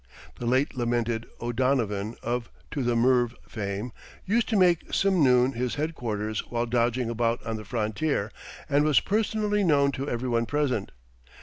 The late lamented O'Donovan, of "To the Merve" fame, used to make Semnoon his headquarters while dodging about on the frontier, and was personally known to everyone present.